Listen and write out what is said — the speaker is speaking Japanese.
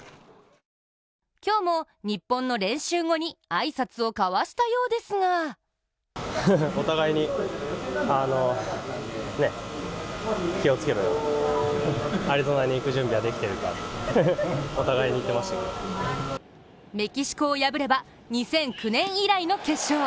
今日も日本の練習後に挨拶を交わしたようですがメキシコを破れば２００９年以来の決勝。